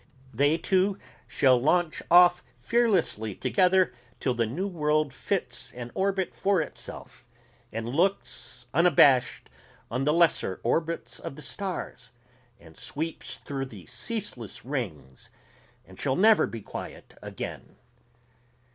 they too shall launch off fearlessly together till the new world fits an orbit for itself and looks unabashed on the lesser orbits of the stars and sweeps through the ceaseless rings and shall never be quiet again.